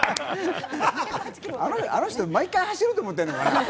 あの人、毎回走ると思ってるのかな？